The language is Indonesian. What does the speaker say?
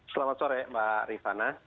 selamat sore mbak rifana